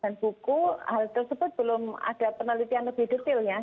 dan buku hal tersebut belum ada penelitian lebih detailnya